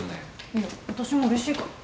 いや私もうれしいから。